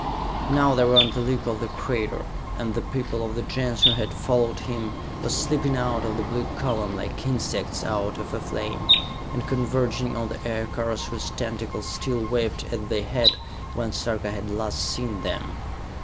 Now they were on the lip of the crater, and the people of the Gens who had followed him, were slipping out of the blue column, like insects out of a flame, and converging on the aircars whose tentacles still waved as they had when Sarka had last seen them.